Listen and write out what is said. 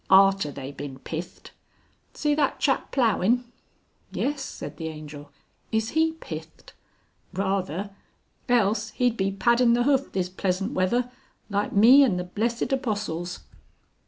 Arter they bin pithed. See that chap ploughin'?" "Yes," said the Angel; "is he pithed?" "Rather. Else he'd be paddin' the hoof this pleasant weather like me and the blessed Apostles."